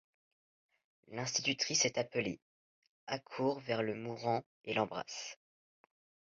L'institutrice est appelée, accourt vers le mourant et l'embrasse.